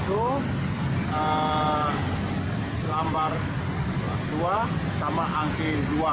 selipi satu gelambar dua sama angke dua